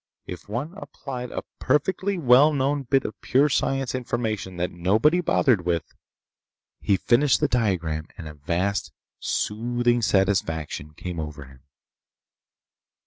If one applied a perfectly well known bit of pure science information that nobody bothered with— He finished the diagram and a vast, soothing satisfaction came over him.